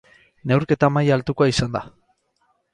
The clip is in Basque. Neurketa maila altukoa izan da.